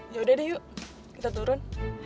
ya udah deh yuk kita turun